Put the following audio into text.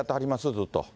ずっと。